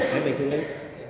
sẽ bị xử lý